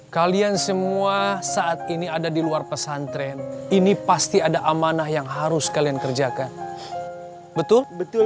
kalian semua saat ini ada di luar pesantren ini pasti ada amanah yang harus kalian kerjakan betul betul